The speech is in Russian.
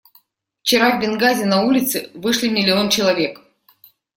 Вчера в Бенгази на улицы вышли миллион человек.